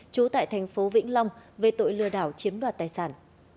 trú tại thành phố vĩnh long về tội lừa đảo chiếm đoạt tài sản